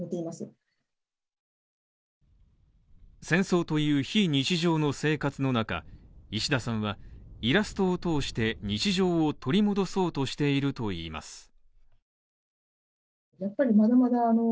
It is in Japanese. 戦争という非日常の生活の中石田さんはイラストを通して日常を取り戻そうとしているといいます。